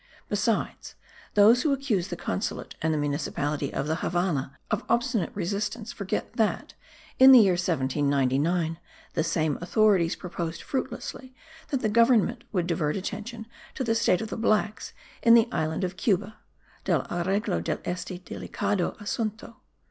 Besides, those who accuse the consulate and the municipality of the Havannah of obstinate resistance forget that, in the year 1799, the same authorities proposed fruitlessly that the government would divert attention to the state of the blacks in the island of Cuba (del arreglo de este delicado asunto.)